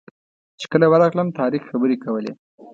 چې کله ورغلم طارق خبرې کولې.